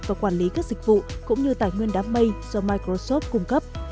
và quản lý các dịch vụ cũng như tài nguyên đám mây do microsoft cung cấp